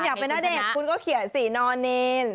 คุณอยากเป็นนาเดทคุณก็เขียนสีนอนิน